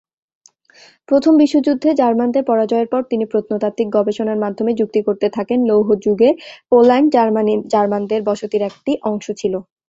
প্রথম বিশ্বযুদ্ধে জার্মানদের পরাজয়ের পর তিনি প্রত্নতাত্ত্বিক গবেষণার মাধ্যমে যুক্তি করতে থাকেন, লৌহ যুগে পোল্যান্ড জার্মানদের বসতির একটি অংশ ছিল।